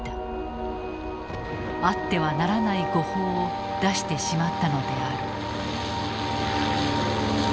あってはならない誤報を出してしまったのである。